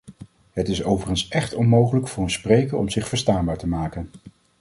Het is overigens echt onmogelijk voor een spreker om zich verstaanbaar te maken.